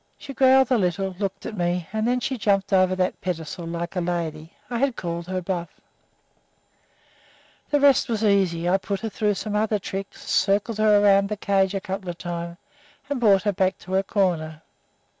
She growled a little, looked at me, and then she jumped over that pedestal like a lady. I had called her bluff. [Illustration: BIANCA RESCUES BOSTOCK FROM "BRUTUS."] "The rest was easy. I put her through some other tricks, circled her around the cage a couple of times, and brought her back to her corner.